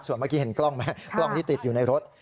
ส่วนเมื่อกี้เห็นกล้องไหมกล้องที่ติดอยู่ในรถ